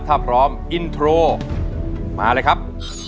ถ้าพร้อมอินโทรมาเลยครับ